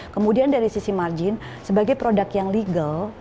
kemudian dari sisi margin sebagai produk yang legal